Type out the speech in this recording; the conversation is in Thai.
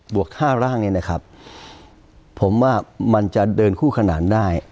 วก๕ร่างนี้นะครับผมว่ามันจะเดินคู่ขนานได้